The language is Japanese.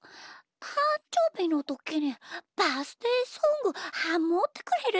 たんじょうびのときにバースデーソングハモってくれるし！